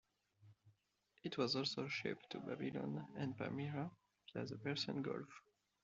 It was also shipped to Babylon and Palmyra via the Persian Gulf.